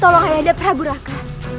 tolong ayahanda prabu raka